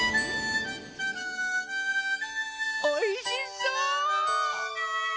おいしそう！